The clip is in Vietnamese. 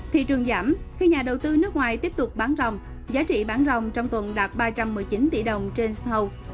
thị trường giảm khi nhà đầu tư nước ngoài tiếp tục bán rồng giá trị bán rồng trong tuần đạt ba trăm một mươi chín tỷ đồng trên stow